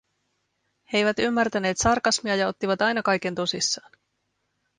He eivät ymmärtäneet sarkasmia ja ottivat aina kaiken tosissaan.